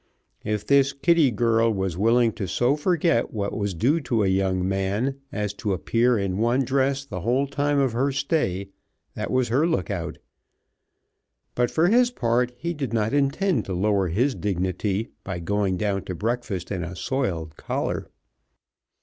If this Kitty girl was willing to so forget what was due to a young man as to appear in one dress the whole time of her stay, that was her look out, but for his part he did not intend to lower his dignity by going down to breakfast in a soiled collar.